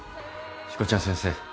しこちゃん先生。